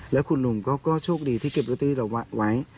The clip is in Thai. แล้วคุณหนุ่มก็โชคดีที่เก็บลอตเตอรี่เราไว้